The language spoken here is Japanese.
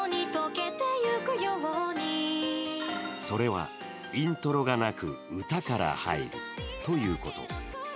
それは、イントロがなく歌から入るということ。